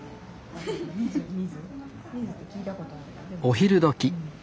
お昼どき